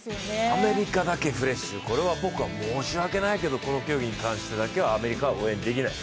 アメリカだけフレッシュ、これは僕は申し訳ないけど、この競技だけはアメリカは応援できない。